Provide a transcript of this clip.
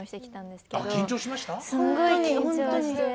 すごい緊張して。